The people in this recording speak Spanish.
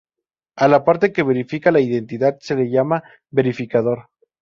A la parte que verifica la identidad se la llama verificador.